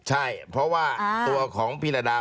ใช่เพราะว่าตัวของพิรดา